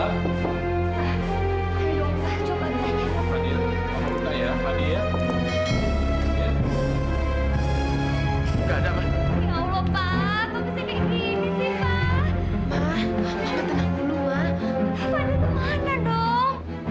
pak dia ke mana dong